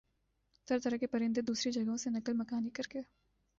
طرح طرح کے پرندے دوسری جگہوں سے نقل مکانی کرکے